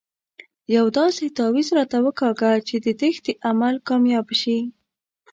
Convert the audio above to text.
یو داسې تاویز راته وکاږه چې د تېښتې عمل کامیاب شي.